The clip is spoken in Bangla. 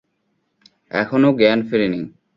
এখনো জ্ঞান ফেরেনি।